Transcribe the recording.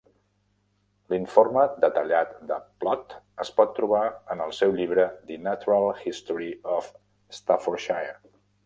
L'informe detallat de Plot es pot trobar en el seu llibre "The Natural History of Staffordshire".